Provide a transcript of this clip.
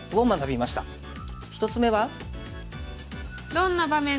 １つ目は。